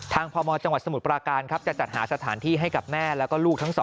ทางพมจสมุทรประการจะจัดหาสถานที่ให้กับแม่และลูกทั้งสองคน